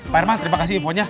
pak herman terima kasih infonya